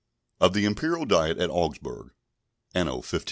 Of the Imperial Diet at Augsburg, Anno 1530.